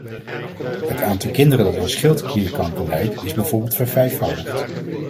Het aantal kinderen dat aan schildklierkanker lijdt is bijvoorbeeld vervijfvoudigd.